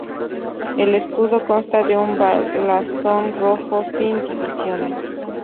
El escudo consta de un blasón rojo sin divisiones.